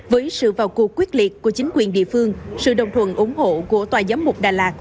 với sự vào cuộc quyết liệt của chính quyền địa phương sự đồng thuận ủng hộ của tòa giám mục đà lạt